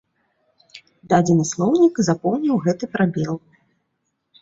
Дадзены слоўнік запоўніў гэты прабел.